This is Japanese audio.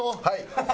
はい。